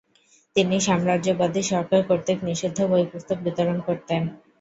তিনি সাম্রাজ্যবাদী সরকার কর্তৃক নিষিদ্ধ বই-পুস্তক বিতরণ করতেন।